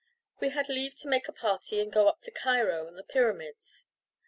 We had leave to make a party and go up to Cairo and the Pyramids.